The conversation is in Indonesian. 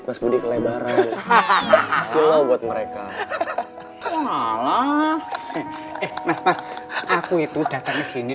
mas budi kelebaran hahaha silah buat mereka malah eh mas aku itu datang sini